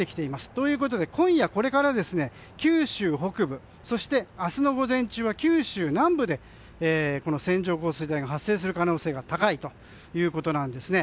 ということで今夜これから九州北部そして明日の午前中は九州南部で線状降水帯が発生する可能性が高いということです。